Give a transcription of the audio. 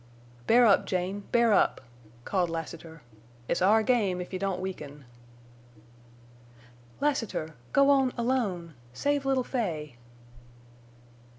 "Bear up, Jane, bear up!" called Lassiter. "It's our game, if you don't weaken." "Lassiter! Go on—alone! Save little Fay!"